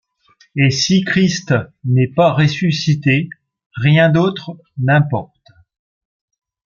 Et si Christ n'est pas ressuscité - rien d'autre n'importe.